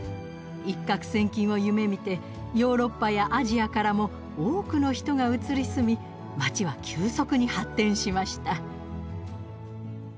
一獲千金を夢みてヨーロッパやアジアからも多くの人が移り住み街は急速に発展しました。